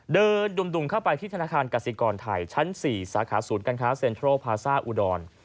ดุ่มเข้าไปที่ธนาคารกสิกรไทยชั้น๔สาขาศูนย์การค้าเซ็นทรัลพาซ่าอุดร